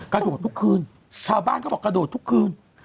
กระโดดทุกคืนชาวบ้านก็บอกกระโดดทุกคืน